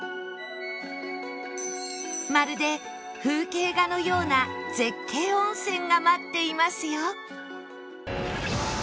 まるで風景画のような絶景温泉が待っていますよ